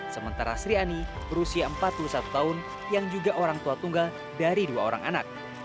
sementara sri ani berusia empat puluh satu tahun yang juga orang tua tunggal dari dua orang anak